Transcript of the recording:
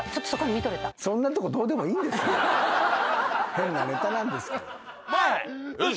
変なネタなんですから。